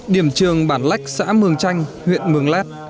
điểm trường bản lách xã mường chanh huyện mường lát